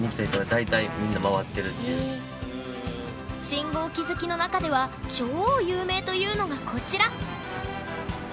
信号機好きの中では超有名というのがこちら。